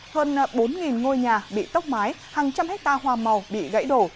hơn bốn ngôi nhà bị tốc mái hàng trăm hectare hoa màu bị gãy đổ